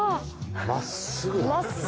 まっすぐ。